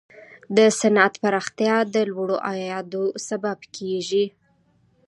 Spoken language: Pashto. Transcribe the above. د صنعت پراختیا د لوړو عایداتو سبب کیږي.